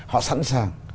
họ sẵn sàng